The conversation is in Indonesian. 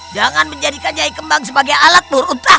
jangan menjadikan nyai kembang sebagai alat beruntah